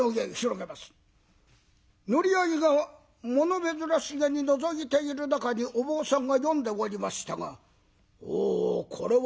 乗り合いがもの珍しげにのぞいている中にお坊さんが読んでおりましたが「おおこれは珍しい手紙じゃな。